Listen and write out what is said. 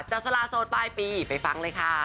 สละโสดปลายปีไปฟังเลยค่ะ